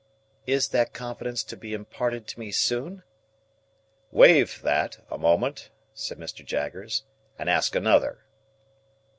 "Is that confidence to be imparted to me soon?" "Waive that, a moment," said Mr. Jaggers, "and ask another."